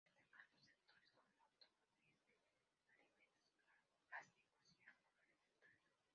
Destacando sectores como el automotriz, de alimentos, plásticos y agroalimentario.